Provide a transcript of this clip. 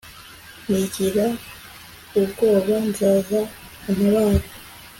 ningira ubwoba, nzaza untabare